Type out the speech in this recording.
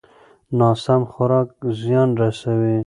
ناسم خوراک زیان رسوي.